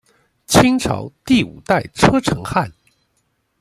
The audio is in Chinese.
清朝第五代车臣汗。